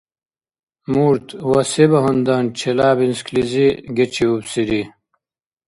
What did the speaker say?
Мурт ва се багьандан Челябинсклизи гечиубсири?